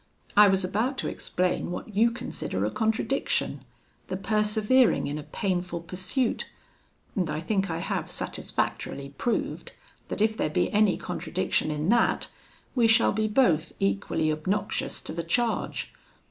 I was about to explain what you consider a contradiction the persevering in a painful pursuit; and I think I have satisfactorily proved, that if there be any contradiction in that, we shall be both equally obnoxious to the charge.